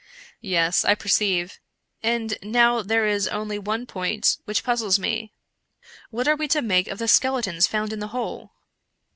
" Yes, I perceive ; and now there is only one point which puzzles me. What are we to make of the skeletons found in the hole?"